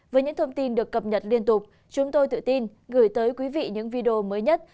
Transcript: với những thông tin được cập nhật liên tục chúng tôi tự tin gửi tới quý vị những video mới nhất